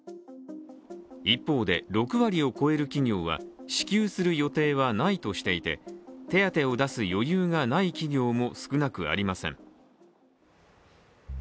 一方で、６割を超える企業は支給する予定はないとしていて手当を出す余裕がない企業も少なくありません。